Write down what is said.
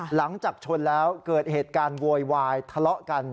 หลังจากชนแล้วเกิดเหตุการณ์โวยวายทะเลาะกัน